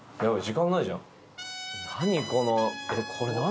何？